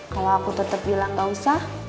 kalau aku tetap bilang gak usah